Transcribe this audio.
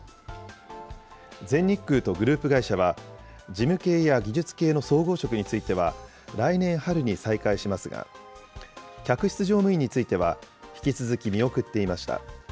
全日空とグループ会社は、事務系や技術系の総合職については、来年春に再開しますが、客室乗務員については引き続き見送っていました。